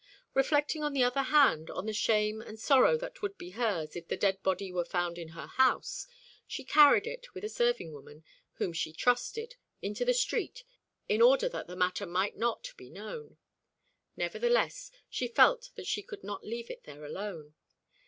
Reflecting, on the other hand, on the shame and sorrow that would be hers if the dead body were found in her house, she carried it, with a serving woman whom she trusted, into the street in order that the matter might not be known. Nevertheless, she felt that she could not leave it there alone.